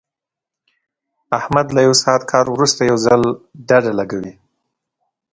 احمد له یو ساعت کار ورسته یو ځل ډډه لګوي.